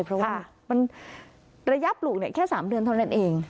เพราะว่ามันระยะปลูกแค่๓เดือนเท่านั้นเอง